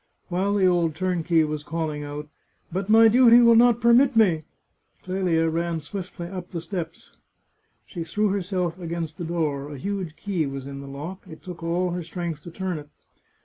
While the old turnkey was calling out, " But my duty will not permit me," Clelia ran swiftly up the six steps. She threw herself against the door. A huge key was in the lock ; it took all her strength to turn it.